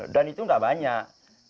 dan itu tidak banyak